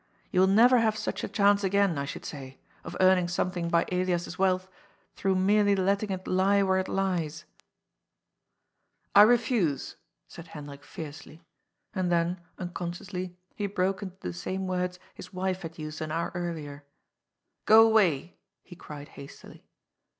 You will never have such a WHY NOT! 245 chance again, I should Bay, of earning something by Elias's wealth through merely letting it lie where it lies." "I refuse," said Hendrik fiercely. And then, uncon sciously, he broke into the same words his wife had used an hour earlier. " Go away I " he cried hastily.